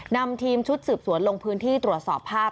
นำทีมชุดสืบสวนลงพื้นที่ตรวจสอบภาพ